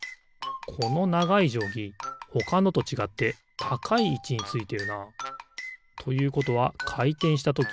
このながいじょうぎほかのとちがってたかいいちについてるな。ということはかいてんしたとき